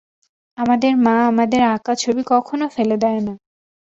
আমাদের মা আমাদের আঁকা ছবি কখনও ফেলে দেয় না।